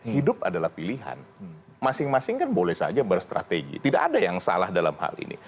hidup adalah pilihan masing masing kan boleh saja berstrategi tidak ada yang salah dalam hal ini